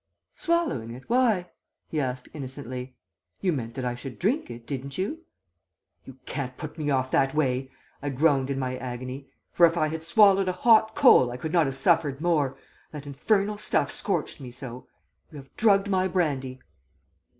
"'Swallowing it; why?' he asked innocently. 'You meant that I should drink it, didn't you?' "'You can't put me off that way,' I groaned in my agony; for if I had swallowed a hot coal I could not have suffered more, that infernal stuff scorched me so. 'You have drugged my brandy.'